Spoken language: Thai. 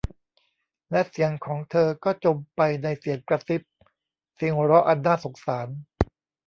และเสียงของเธอก็จมไปในเสียงกระซิบ เสียงหัวเราะอันน่าสงสาร